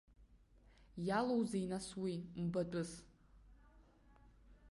Иалоузеи, нас, уи мбатәыс?